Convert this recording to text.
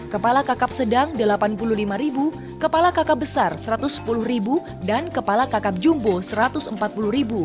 kepala kakap sedang rp delapan puluh lima kepala kakak besar rp satu ratus sepuluh dan kepala kakap jumbo rp satu ratus empat puluh